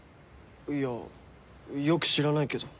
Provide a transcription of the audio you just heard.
いやよく知らないけど。